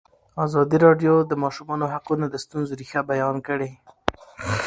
ازادي راډیو د د ماشومانو حقونه د ستونزو رېښه بیان کړې.